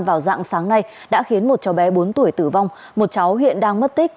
vào dạng sáng nay đã khiến một cháu bé bốn tuổi tử vong một cháu hiện đang mất tích